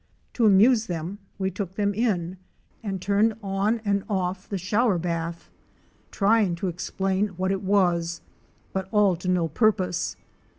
To amuse them we took them in and turned on and off the shower bath, try ing to explain what it was, but all to no purpose.